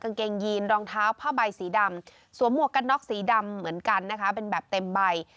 กางเกงยีนรองเท้าผ้าใบสีดำสวมหมวกกันน็อกสีดำเหมือนกันนะคะเป็นแบบเต็มใบ